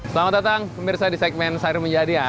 selamat datang pemirsa di segmen sayur menjadi